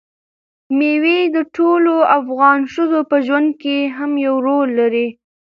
مېوې د ټولو افغان ښځو په ژوند کې هم یو رول لري.